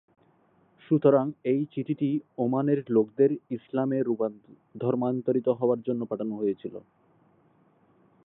সুতরাং এই চিঠিটি ওমানের লোকদের ইসলামে ধর্মান্তরিত হওয়ার জন্য পাঠানো হয়েছিল।